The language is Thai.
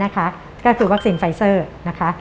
ก็คือวัคซีนไฟเซอร์นะคะ